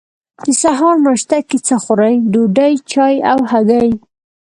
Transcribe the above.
د سهار ناشته کی څه خورئ؟ ډوډۍ، چای او هګۍ